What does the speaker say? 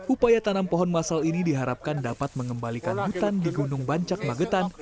upaya tanam pohon masal ini diharapkan dapat mengembalikan hutan di gunung bancak magetan